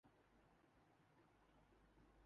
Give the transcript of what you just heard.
شریانوں کی اس بیماری کی بہت سی علامات سامنے آئی ہیں